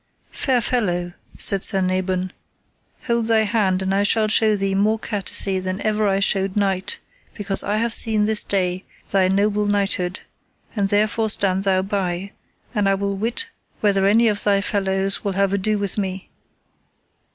Fair fellow, said Sir Nabon, hold thy hand and I shall show thee more courtesy than ever I showed knight, because I have seen this day thy noble knighthood, and therefore stand thou by, and I will wit whether any of thy fellows will have ado with me.